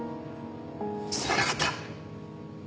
すまなかった。